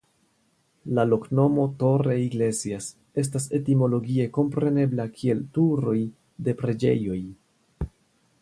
La loknomo "Torreiglesias" estas etimologie komprenebla kiel Turo(j) de Preĝejo(j).